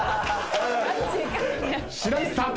白石さん。